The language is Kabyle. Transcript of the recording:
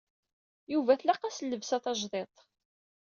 Yuba tlaq-as llebsa tajdidt.